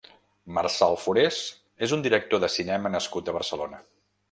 Marçal Forés és un director de cinema nascut a Barcelona.